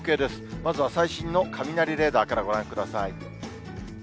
まずは最新の雷レーダーからご覧ください。